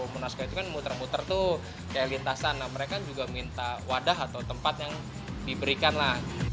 munasko itu kan muter muter tuh kayak lintasan mereka juga minta wadah atau tempat yang diberikan lah